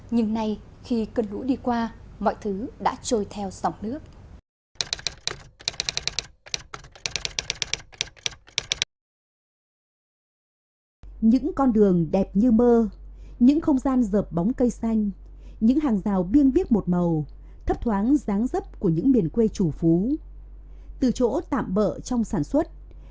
nhưng nay khi cơn lũ đi qua mọi thứ đã trôi theo dòng nước